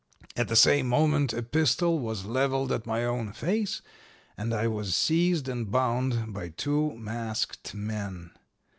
At the same moment a pistol was leveled at my own face and I was seized and bound by two masked men.